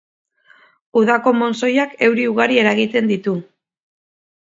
Udako montzoiak euri ugari eragiten ditu.